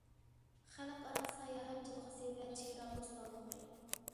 خەلقئارا ساياھەت جىلغىسى» ۋە« چېگرا بوستانلىقى.